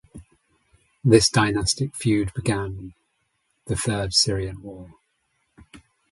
This dynastic feud began the Third Syrian War.